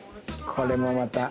これもまた。